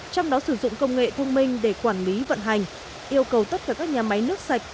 trong đó sử dụng công nghệ thông minh để quản lý vận hành yêu cầu tất cả các nhà máy nước sạch